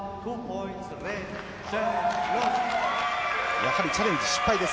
やはりチャレンジ失敗です。